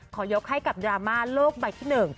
ยกให้กับดราม่าโลกใบที่๑